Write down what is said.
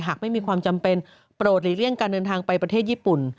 หากไม่มีความจำเป็นโปรดหลีกเลี่ยงการเดินทางไปประเทศญี่ปุ่น